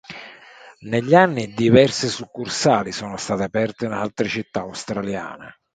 Negli anni diverse succursali sono state aperte in altre città australiane.